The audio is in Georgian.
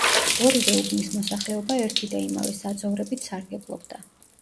ორივე უბნის მოსახლეობა ერთი და იმავე საძოვრებით სარგებლობდა.